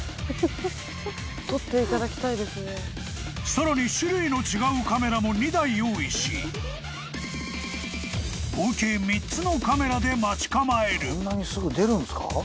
［さらに種類の違うカメラも２台用意し合計３つのカメラで待ち構える］